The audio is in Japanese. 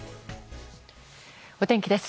お天気です。